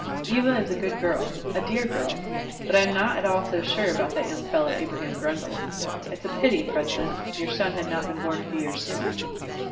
"Eva is a good girl, a dear girl. But I am not at all so sure about that young fellow Abraham Grundle. It's a pity, President, your son had not been born a few years sooner."